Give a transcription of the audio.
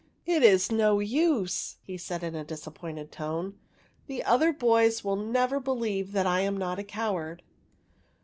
" It is no use," he said in a disappointed tone ;" the other boys will never believe that I am not a coward."